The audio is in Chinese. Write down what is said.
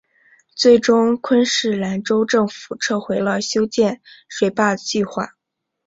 最终昆士兰州政府撤回了修建水坝的计划。